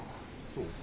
そう？